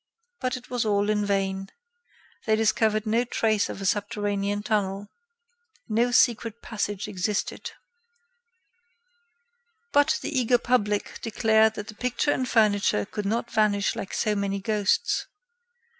But it was all in vain. They discovered no trace of a subterranean tunnel. No secret passage existed. But the eager public declared that the pictures and furniture could not vanish like so many ghosts.